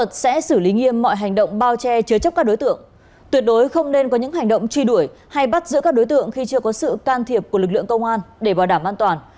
tuyệt đối không nên có những hành động truy đuổi hay bắt giữ các đối tượng khi chưa có sự can thiệp của lực lượng công an để bảo đảm an toàn